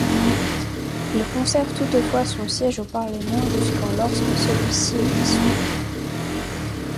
Il conserve toutefois son siège au Parlement jusqu'en lorsque celui-ci est dissout.